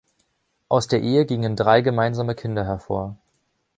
Aus der Ehe gingen drei gemeinsame Kinder hervor.